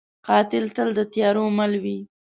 قاتل تل د تیارو مل وي